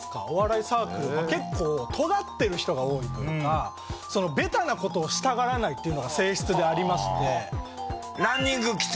お笑いサークル結構とがってる人が多いというかベタな事をしたがらないっていうのが性質でありまして。